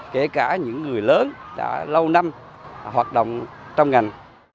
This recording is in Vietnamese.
kể cả những người lớn đã lâu năm hoạt động trong ngành